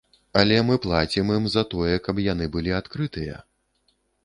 Але мы плацім ім за тое, каб яны былі адкрытыя.